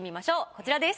こちらです。